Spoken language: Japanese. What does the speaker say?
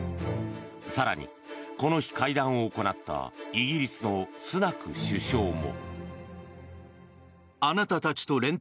更に、この日会談を行ったイギリスのスナク首相も。